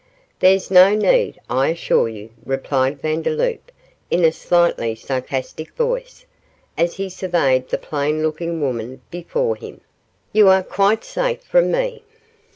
'There's no need, I assure you,' replied Vandeloup, in a slightly sarcastic voice, as he surveyed the plain looking woman before him; 'you are quite safe from me.